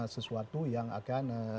sesuatu yang akan